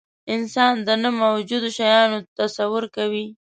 انسان د نه موجودو شیانو تصور کوي.